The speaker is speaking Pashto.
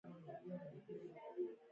لومړی مقدماتي ناستې د متخصصینو لخوا کیږي